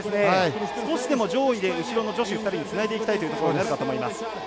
少しでも上位で後ろの女子２人につないでいきたいというところになるかと思います。